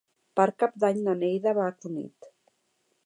Per Cap d'Any na Neida va a Cunit.